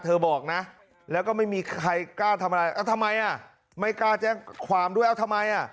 บอกนะแล้วก็ไม่มีใครกล้าทำอะไรทำไมอ่ะไม่กล้าแจ้งความด้วยเอาทำไมอ่ะ